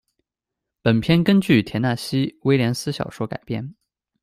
本片根据田纳西·威廉斯小说改编。